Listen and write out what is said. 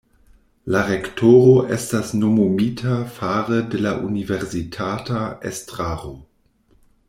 La rektoro estas nomumita fare de la universitata estraro.